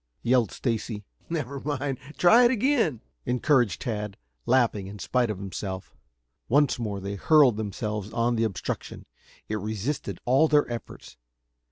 yelled Stacy. "Never mind, try it again," encouraged Tad, laughing in spite of himself. Once more they hurled themselves on the obstruction. It resisted all their efforts.